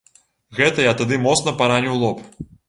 Гэта я тады моцна параніў лоб.